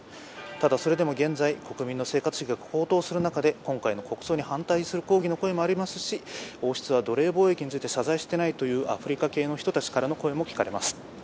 ただ、それでも現在、国民の生活史が変わることで今回の国葬に反対する抗議の声もありますし王室は奴隷貿易について謝罪していないというアフリカ系の人たちからの声も聞かれます。